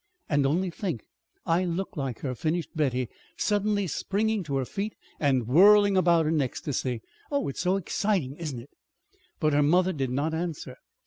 And only think, I look like her!" finished Betty, suddenly springing to her feet, and whirling about in ecstasy. "Oh, it's so exciting, isn't it?" But her mother did not answer.